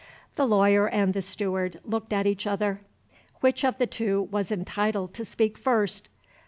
The lawyer and the steward looked at each other. Which of the two was entitled to speak first?